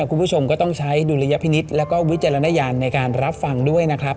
คุณผู้ชมก็ต้องใช้ดุลยพินิษฐ์แล้วก็วิจารณญาณในการรับฟังด้วยนะครับ